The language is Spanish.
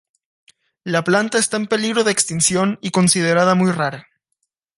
La planta está en peligro de extinción y considerada muy rara.